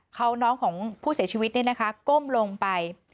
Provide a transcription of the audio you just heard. เขาน้องของผู้เสียชีวิตเนี่ยนะคะก้มลงไป